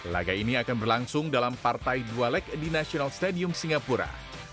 laga ini akan berlangsung dalam partai dual leg di national stadium singapura